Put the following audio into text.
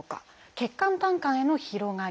血管・胆管への広がり。